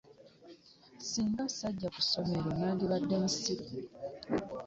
Singa sajja ku ssomero nandibadde musiru.